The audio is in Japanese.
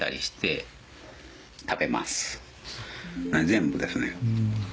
全部ですね。